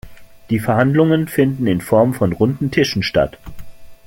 Die Verhandlungen finden in Form von runden Tischen statt.